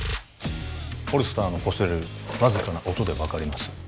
ホルスターのこすれるわずかな音で分かります